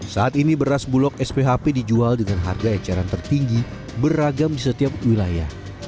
saat ini beras bulog sphp dijual dengan harga eceran tertinggi beragam di setiap wilayah